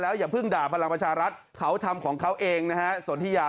แล้วอย่าเพิ่งด่าพลังประชารัฐเขาทำของเขาเองนะฮะ